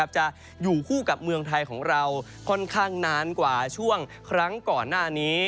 จะอยู่คู่กับเมืองไทยของเราค่อนข้างนานกว่าช่วงครั้งก่อนหน้านี้